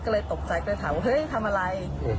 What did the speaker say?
เลยตกใจเลยถามเฮ้ยทำอะไร